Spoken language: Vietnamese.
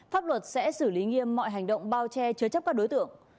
pháp luật sẽ xử lý nghiêm mọi hành động bao che chứa chấp các đối tượng